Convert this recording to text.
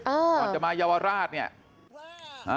เออก่อนจะมาเยาวราช